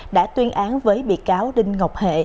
đã tuyên án với bị cáo đinh ngọc hệ